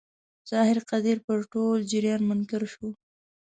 ظاهر قدیر پر ټول جریان منکر شو.